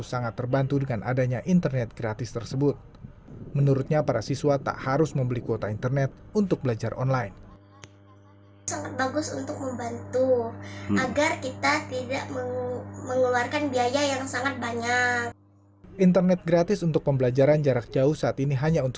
kepala smpn sembilan belas palembang hal itu merupakan solusi dalam memberikan layanan internet gratis bagi sekolah murid dan guru